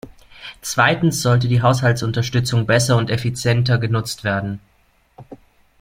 Zweitens sollte die Haushaltsunterstützung besser und effizienter genutzt werden.